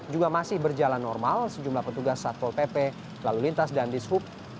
juga masih berjalan normal sejumlah petugas saat tol pp lalu lintas dan disfuk